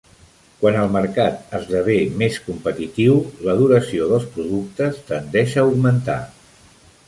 Quan el mercat esdevé més competitiu, la duració dels productes tendeix a augmentar.